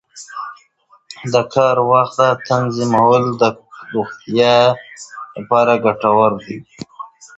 د کار وخت تنظیمول د روغتیا لپاره ګټور دي.